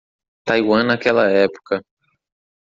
Taiwan naquela época